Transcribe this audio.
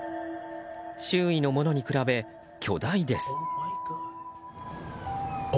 周囲のものに比べ、巨大です。